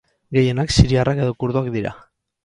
Gehienak siriarrak edo kurduak dira.